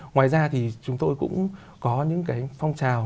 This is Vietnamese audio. ngoài ra thì chúng tôi cũng có những cái phong trào